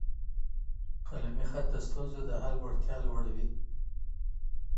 قلمي خط د ستونزو د حل وړتیا لوړوي.